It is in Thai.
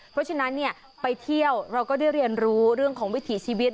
เพราะฉะนั้นเนี่ยไปเที่ยวเราก็ได้เรียนรู้เรื่องของวิถีชีวิต